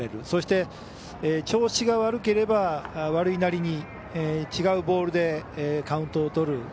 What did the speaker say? そして調子が悪ければ悪いなりに違うボールで、カウントをとる。